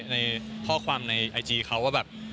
ในข้อความในไอจีเขาว่าแบบ